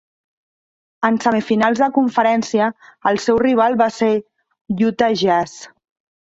En semifinals de Conferència, el seu rival va ser Utah Jazz.